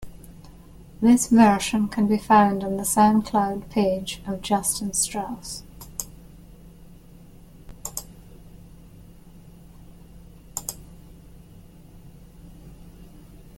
This versions can be found on the Soundcloud page of Justin Strauss.